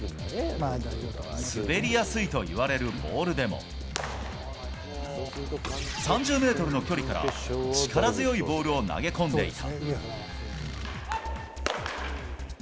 滑りやすいといわれるボールでも、３０メートルの距離から力強いボールを投げ込んでいた。